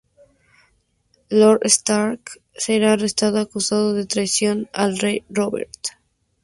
Lord Stark será arrestado acusado de traición al rey Robert.